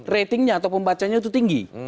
ratingnya atau pembacanya itu tinggi